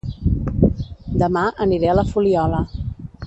Dema aniré a La Fuliola